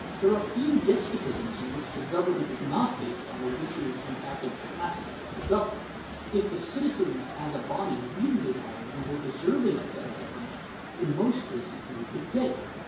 There are few despotisms in which the government is not based on the wishes and average capacities of the governed. If the citizens as a body really desired and were deserving of better government, in most cases they could get it.